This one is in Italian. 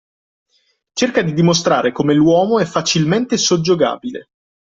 Cerca di dimostrare come l'uomo è facilmente soggiogabile.